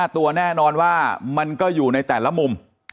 ตัวแน่นอนว่ามันก็อยู่ในแต่ละมุม